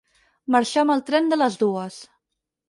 Marxar amb el tren de les dues.